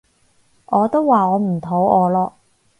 我都話我唔肚餓咯